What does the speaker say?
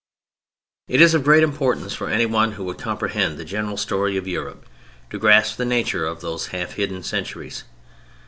It is of great importance for anyone who would comprehend the general story of Europe, to grasp the nature of those half hidden centuries.